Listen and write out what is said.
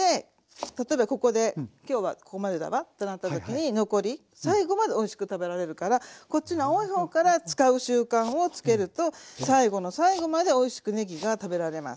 例えばここで「今日はここまでだわ」ってなった時に残り最後までおいしく食べられるからこっちの青い方から使う習慣をつけると最後の最後までおいしくねぎが食べられます。